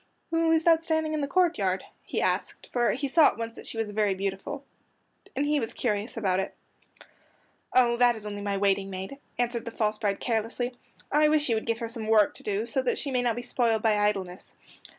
"Who is that standing in the courtyard?" he asked, for he saw at once that she was very beautiful, and he was curious about it. "Oh, that is only my waiting maid," answered the false bride carelessly. "I wish you would give her some work to do so that she may not be spoiled by idleness."